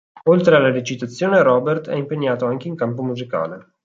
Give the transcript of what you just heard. Oltre alla recitazione Robert è impegnato anche in campo musicale.